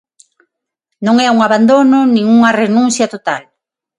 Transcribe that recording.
Non é un abandono nin unha renuncia total.